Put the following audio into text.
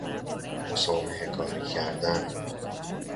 مسامحه کاری کردن